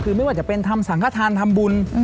คือไม่ว่าจะเป็นทำสังขทานทำบุญ